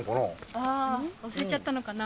あ忘れちゃったのかな。